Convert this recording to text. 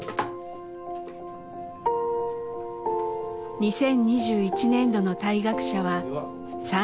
２０２１年度の退学者は３４人。